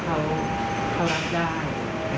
ว่าเขารักได้